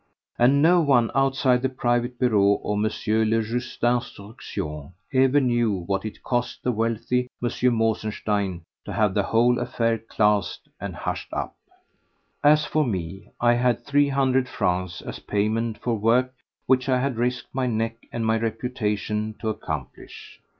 And no one outside the private bureau of M. le Juge d'Instruction ever knew what it cost the wealthy M. Mosenstein to have the whole affair "classed" and hushed up. As for me, I had three hundred francs as payment for work which I had risked my neck and my reputation to accomplish.